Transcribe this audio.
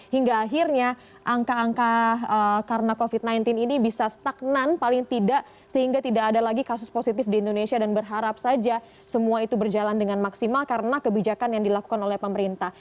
hingga akhirnya angka angka karena covid sembilan belas ini bisa stagnan paling tidak sehingga tidak ada lagi kasus positif di indonesia dan berharap saja semua itu berjalan dengan maksimal karena kebijakan yang dilakukan oleh pemerintah